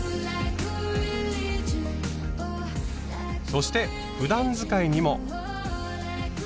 そしてふだん使いにも。